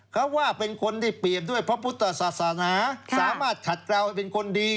เขาว่าเป็นคนที่เปรียบด้วยพระพุทธศาสนาสามารถฉัดกล่าวให้เป็นคนดี